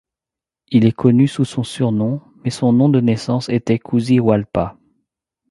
Il est connu sous son surnom, mais son nom de naissance était Cusi Hualpa.